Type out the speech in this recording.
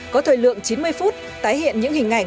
có thời lượng chín mươi phút tái hiện những hình ảnh